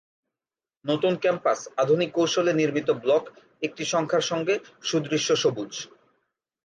নতুন ক্যাম্পাস আধুনিক কৌশলে নির্মিত ব্লক একটি সংখ্যার সঙ্গে সুদৃশ্য সবুজ।